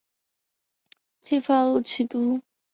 齐伐鲁取都。